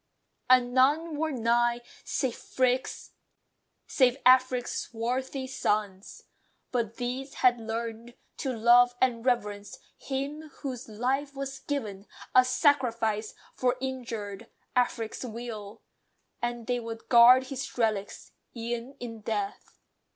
And none were nigh, Save Afric's swarthy sons. But these had learned To love and reverence him whose life was given A sacrifice for injured Afric's weal; And they would guard his relics, e'en in death.